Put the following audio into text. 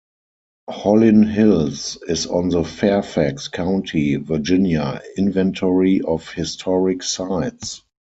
Hollin Hills is on the Fairfax County, Virginia, Inventory of Historic Sites.